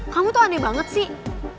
kamu tuh aneh banget sih